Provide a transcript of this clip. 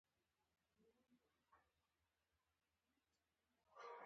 هر عالم ته یې هم علامه نه ویل.